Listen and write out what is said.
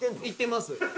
いってます。